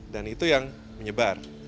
dan itu yang menyebar